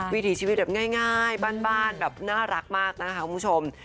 วิถีชีวิตแบบง่ายบ้านแบบน่ารักมากนะคะคุณผู้ชม